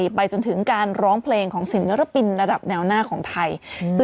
ไปจนถึงการร้องเพลงของศิลปินระดับแนวหน้าของไทย